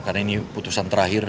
karena ini putusan terakhir